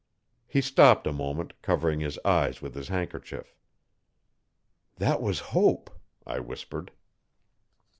He stopped a moment, covering his eyes with his handkerchief. 'That was Hope,' I whispered.